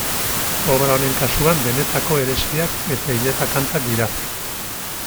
Obra honen kasuan benetako eresiak edo hileta-kantak dira.